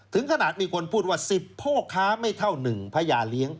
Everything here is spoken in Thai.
ถึงขนาดมีคนพูดว่า๑๐พ่อค้าไม่เท่า๑พญาเลี้ยง